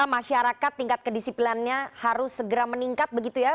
masyarakat tingkat kedisiplannya harus segera meningkat begitu ya